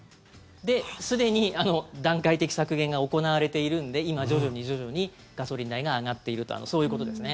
で、すでに段階的削減が行われているので今、徐々に徐々にガソリン代が上がっているとそういうことですね。